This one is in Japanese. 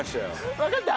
わかった？